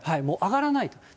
もう上がらない。